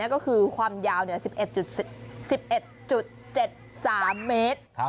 ก็คือความยาว๑๑๑๗๓เมตร